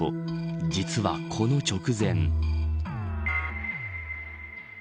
実はこの直前。